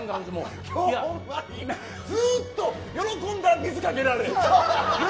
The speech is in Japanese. ずっと喜んだら水かけられて。